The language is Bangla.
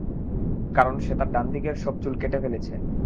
কারণ সে তার ডানদিকের সব চুল কেটে ফেলছে।